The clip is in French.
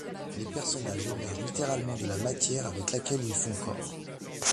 Les personnages émergent littéralement de la matière avec laquelle ils font corps.